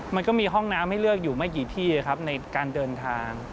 มันก็มีห้องน้ำให้เลือกอยู่ไม่กี่ที่ครับในการเดินทาง